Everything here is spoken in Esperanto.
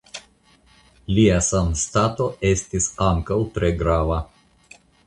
Lia sanstato estis ankaŭ tre grava.